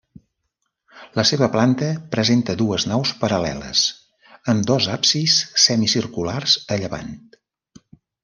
La seva planta presenta dues naus paral·leles, amb dos absis semicirculars a llevant.